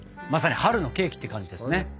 まさに春のケーキって感じですね。